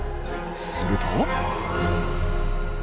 すると。